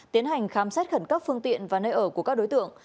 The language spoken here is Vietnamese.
tiến hành khám xét khẩn cấp phương tiện và nơi ở của các đối tượng